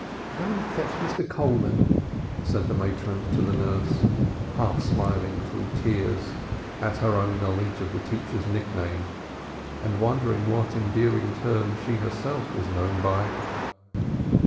"Go and fetch Mr. Coleman," said the matron, to the nurse, half smiling through tears at her own knowledge of the teacher's nickname and wondering what endearing term she was herself known by.